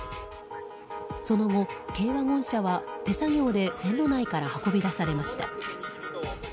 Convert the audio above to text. その後、軽ワゴン車は手作業で線路内から運び出されました。